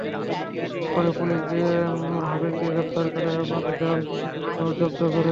পরে পুলিশ গিয়ে হাবিলকে গ্রেপ্তার করে এবং জাল নোট জব্দ করে।